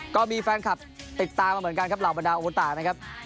ก็มีแฟนคลับติดตามมาเหมือนกันครับเหล่าบรรดาโอตานะครับ